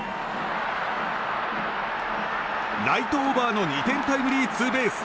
ライトオーバーの２点タイムリーツーベース！